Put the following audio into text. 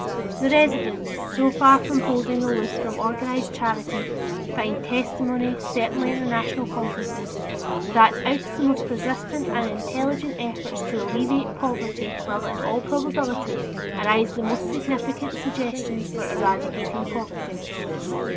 The residents, so far from holding aloof from organized charity, find testimony, certainly in the National Conferences, that out of the most persistent and intelligent efforts to alleviate poverty will in all probability arise the most significant suggestions for eradicating poverty.